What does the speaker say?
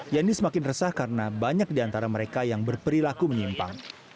yanni semakin resah karena banyak di antara mereka yang berperilaku menyimpang